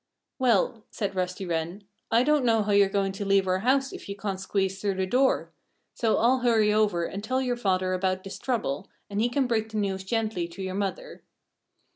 "Well," said Rusty Wren, "I don't know how you're going to leave our house if you can't squeeze through the door. So I'll hurry over and tell your father about this trouble, and he can break the news gently to your mother."